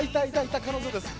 彼女です。